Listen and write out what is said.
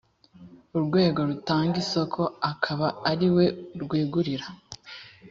urwego rutanga isoko akaba ari we rwegurira